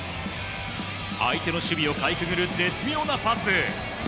相手の守備をかいくぐる絶妙なパス！